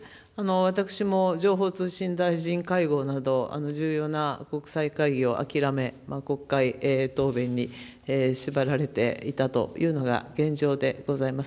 私も情報通信大臣会合など、重要な国際会議を諦め、国会答弁に縛られていたというのが現状でございます。